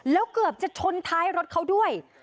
แล้วเกือบจะชนท้ายรถเขาด้วย